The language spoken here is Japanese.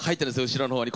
後ろのほうに。